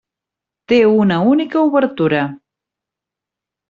Té una única obertura.